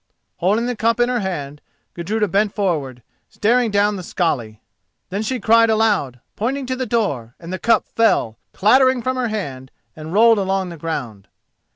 Holding the cup in her hand, Gudruda bent forward, staring down the skali. Then she cried aloud, pointing to the door, and the cup fell clattering from her hand and rolled along the ground.